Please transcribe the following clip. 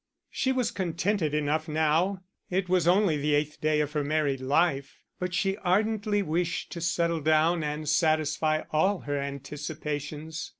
She was contented enough now it was only the eighth day of her married life, but she ardently wished to settle down and satisfy all her anticipations.